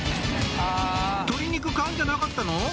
鶏肉買うんじゃなかったの？